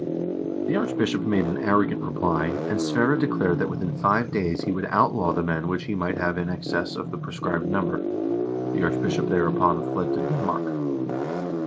The archbishop made an arrogant reply, and Sverre declared that within five days he would outlaw the men which he might have in excess of the prescribed number. The archbishop thereupon fled to Denmark.